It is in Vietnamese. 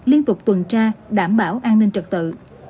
liên tục tuần tra đảm bảo an ninh trật tự